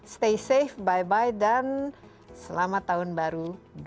stay safe bye bye dan selamat tahun baru dua ribu dua puluh satu